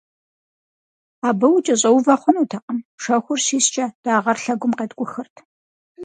Абы укӏэщӏэувэ хъунутэкъым - шэхур щискӀэ, дагъэр лъэгум къеткӀухырт.